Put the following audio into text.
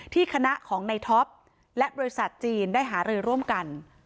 คณะของในท็อปและบริษัทจีนได้หารือร่วมกัน